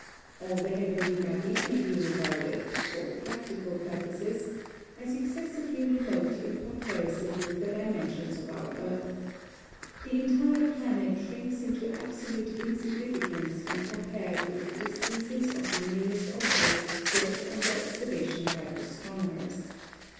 All the heavenly bodies may be regarded, for practical purposes, as excessively remote in comparison with the dimensions of our earth. The entire planet shrinks into absolute insignificance when compared with the distances of the nearest objects brought under observation by astronomers.